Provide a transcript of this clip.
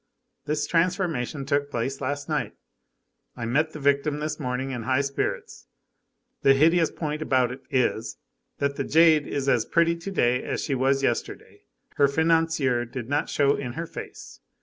This transformation took place last night. I met the victim this morning in high spirits. The hideous point about it is, that the jade is as pretty to day as she was yesterday. Her financier did not show in her face.